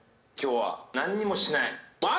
今日は何にもしない。